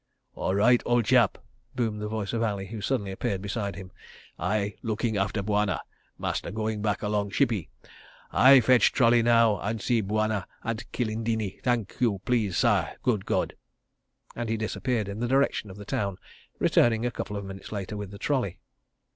"All right, ole chap," boomed the voice of Ali, who suddenly appeared beside him. "I looking after Bwana. Master going back along shippy? I fetch trolley now and see Bwana at Kilindini, thank you, please sah, good God," and he disappeared in the direction of the town, returning a couple of minutes later with the trolley.